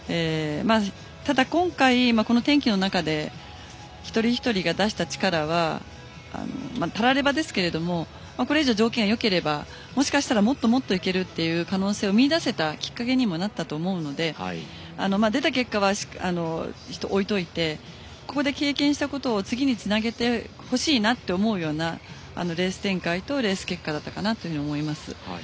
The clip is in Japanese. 今回、この天気の中で一人一人が出した力はたらればですけど条件がよければもしかしたらもっといける可能性を見いだせたきっかけにもなったと思うので出た結果は置いておいてここで経験したことを次につなげてほしいレース展開とレース結果だったと思います。